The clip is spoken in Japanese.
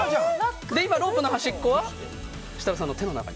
今ロープの端っこは設楽さんの手の中に。